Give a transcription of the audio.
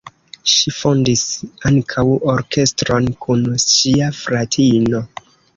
Ŝi fondis ankaŭ orkestron kun ŝia fratino.